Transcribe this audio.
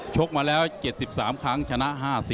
กมาแล้ว๗๓ครั้งชนะ๕๐